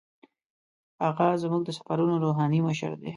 هغه زموږ د سفرونو روحاني مشر دی.